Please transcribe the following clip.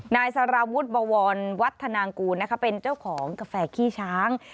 นายสารวุฒิบวรวัฒนางกูลเป็นเจ้าของกาแฟขี้ช้าง